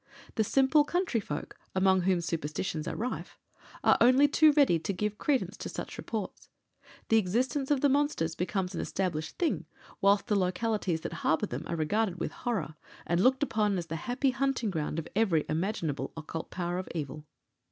The simple country folk, among whom superstitions are rife, are only too ready to give credence to such reports; the existence of the monsters becomes an established thing, whilst the localities that harbour them are regarded with horror, and looked upon as the happy hunting ground of every imaginable occult power of evil.